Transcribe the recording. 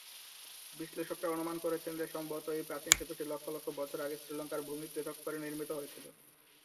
বিশ্লেষকরা অনুমান করেছেন যে সম্ভবত এই প্রাচীন সেতুটি লক্ষ লক্ষ বছর আগে শ্রীলঙ্কার ভূমি পৃথক করে নির্মিত হয়েছিল।